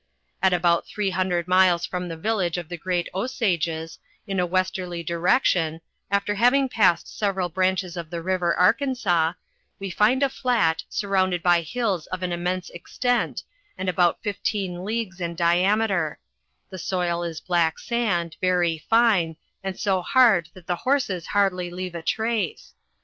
At about 300 miles from the village of the Great Dsages, in a westerly di rection, after having passed several brandies of the river Arkansas, we find a flat surrounded by hills of an immense extent, and about 15 leagues in diameter; the soil is black Band, very fine, and so hard that the horses hardly leave a trace.